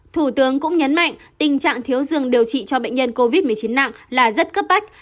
thủ tướng cũng nhấn mạnh tình trạng thiếu dường điều trị cho bệnh nhân covid một mươi chín nặng là rất cấp bách